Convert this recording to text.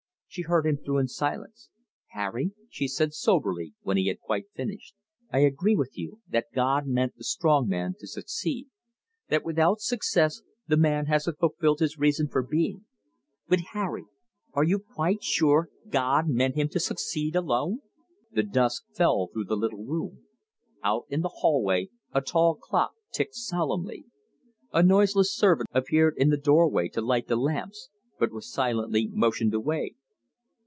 She heard him through in silence. "Harry," she said soberly when he had quite finished, "I agree with you that God meant the strong man to succeed; that without success the man hasn't fulfilled his reason for being. But, Harry, ARE YOU QUITE SURE GOD MEANT HIM TO SUCCEED ALONE?" The dusk fell through the little room. Out in the hallway a tall clock ticked solemnly. A noiseless servant appeared in the doorway to light the lamps, but was silently motioned away.